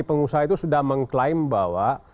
pengusaha itu sudah mengklaim bahwa